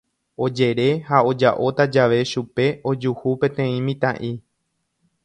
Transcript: Ojere ha oja'óta jave chupe ojuhu peteĩ mitã'i.